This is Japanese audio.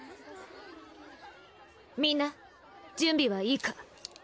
みんな準備はいいか？